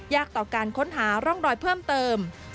ต่อการค้นหาร่องรอยเพิ่มเติม